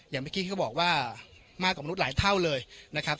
อย่างพี่กี้ก็บอกว่ามากกว่ามนุษย์หลายเท่าเลยนะครับ